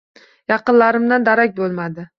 Yaqinlarimdan darak bo‘lmadi.